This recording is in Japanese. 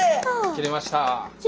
切れました？